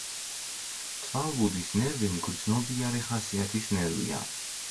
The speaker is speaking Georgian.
თვალბუდის ნერვი მგრძნობიარე ხასიათის ნერვია.